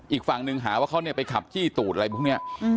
อีกฝั่งหนึ่งหาว่าเขาเนี่ยไปขับจี้ตูดอะไรพวกนี้